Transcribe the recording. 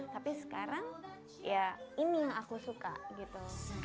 tapi sekarang ya ini yang aku suka gitu